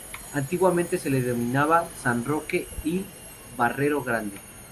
Antiguamente se la denominaba San Roque y Barrero Grande.